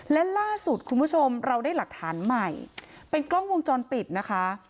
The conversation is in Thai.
และล่าสุดคุณผู้ชมเราได้หลักฐานใหม่เป็นกล้องวงจรปิดนะคะ